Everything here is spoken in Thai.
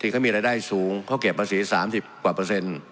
เขามีรายได้สูงเขาเก็บภาษี๓๐กว่าเปอร์เซ็นต์